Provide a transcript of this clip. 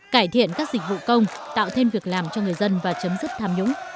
cải thiện các dịch vụ công tạo thêm việc làm cho người dân và chấm dứt tham nhũng